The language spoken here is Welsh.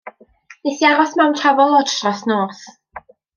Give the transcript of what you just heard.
'Nes i aros mewn Travelodge dros nos.